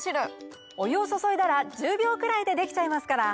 お湯を注いだら１０秒くらいでできちゃいますから。